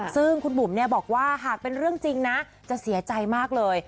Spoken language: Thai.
ซึ่งคุณบุ๋มบอกว่าหากเป็นเรื่องจริงนะจะเสียใจมากเลย